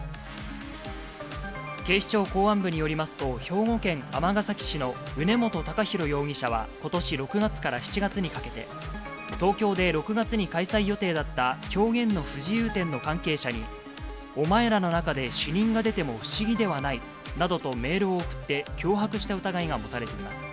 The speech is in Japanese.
警視庁公安部によりますと、兵庫県尼崎市の宇根元崇泰容疑者はことし６月から７月にかけて、東京で６月に開催予定だった表現の不自由展の関係者に、お前らの中で死人が出ても不思議ではないなどとメールを送って脅迫した疑いが持たれています。